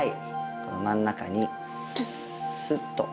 この真ん中にすっと。